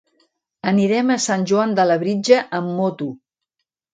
Anirem a Sant Joan de Labritja amb moto.